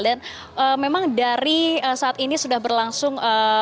dan memang dari saat ini sudah berlangsung